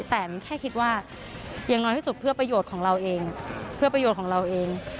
แต่มันแค่คิดว่าอย่างน้อยที่สุดเพื่อประโยชน์ของเราเอง